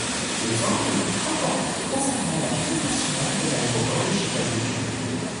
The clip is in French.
L’exemple le plus frappant concerna la prime d’assurance de l’aéroport de Chicago.